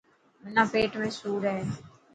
منا پيٽ ۾ سوڙ هي.